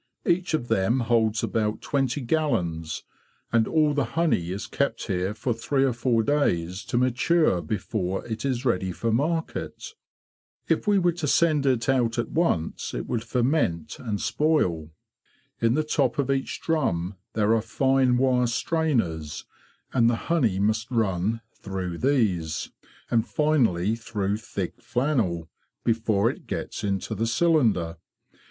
Each of them holds about twenty gallons, and all the honey is kept here for three or four days to mature before it is ready for market. If we were to send it out at once it would ferment and spoil. In the top of each drum there are fine wire strainers, and the honey must run through these, and finally through thick flannel, before it gets into the cylinder.